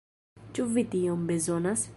Ĉu vi tion bezonas?